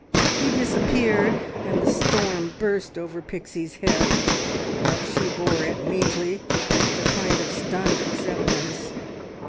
He disappeared, and the storm burst over Pixie's head, but she bore it meekly, with a kind of stunned acceptance.